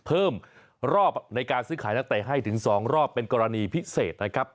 เพิ่มรอบในการซื้อขายนักเตะให้ถึง๒รอบเป็นกรณีพิเศษนะครับ